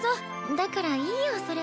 だからいいよそれは。